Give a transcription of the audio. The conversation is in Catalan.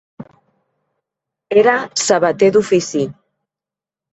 Era sabater d'ofici.